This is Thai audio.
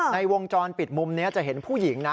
ในวงจรปิดมุมนี้จะเห็นผู้หญิงนะ